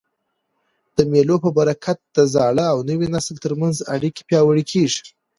د مېلو په برکت د زاړه او نوي نسل تر منځ اړیکي پیاوړي کېږي.